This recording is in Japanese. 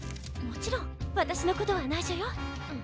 もちろんわたしのことはないしょよ。